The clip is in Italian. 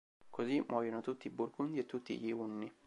Così muoiono tutti i Burgundi e tutti gli Unni.